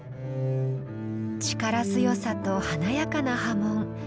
力強さと華やかな刃文。